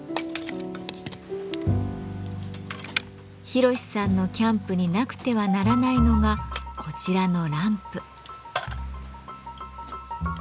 ヒロシさんのキャンプになくてはならないのがこちらのランプ。